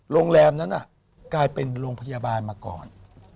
โรงแรมนั้นกลายเป็นโรงพยาบาลมาก่อน